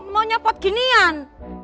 mau nyepot ginian